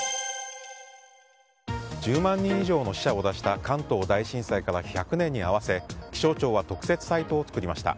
１０万人以上の死者を出した関東大震災から１００年に合わせ気象庁は特設サイトを作りました。